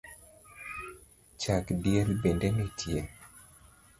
Chag diel bende nitie?